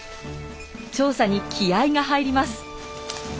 調査に気合いが入ります。